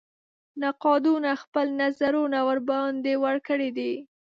نقادانو خپل نظرونه ورباندې ورکړي دي.